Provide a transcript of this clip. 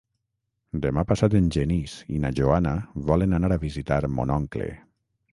Demà passat en Genís i na Joana volen anar a visitar mon oncle.